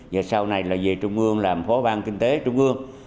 và sau này là về trung ương làm phó bang kinh tế trung ương